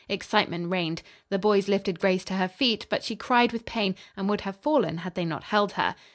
Excitement reigned. The boys lifted Grace to her feet; but she cried with pain and would have fallen had they not held her.